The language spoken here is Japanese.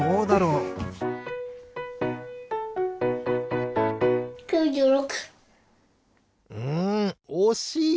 うんおしい！